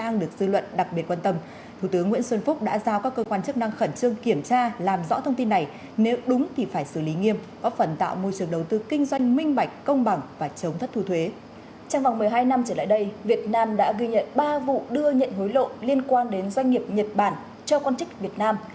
hai năm trở lại đây việt nam đã ghi nhận ba vụ đưa nhận hối lộ liên quan đến doanh nghiệp nhật bản cho quan chức việt nam